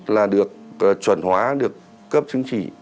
là được chuẩn hóa được cấp chứng chỉ